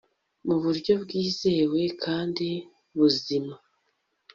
mu buryo bwizewe kandi buzima